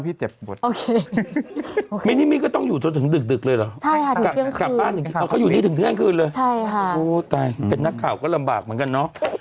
ไปถึงเที่ยงคืนเลยเหรอโอ้วแต่เป็นนักข่าวก็ลำบากเหมือนกันเนอะ